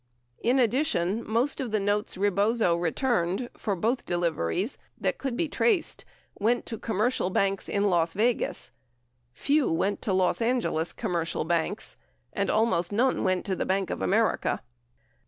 In addition, most of the notes Rebozo returned (for both de liveries) that could be traced went to commercial banks in Las Vegas. Few went to Los Angeles commercial banks, and almost none went to the Bank of America.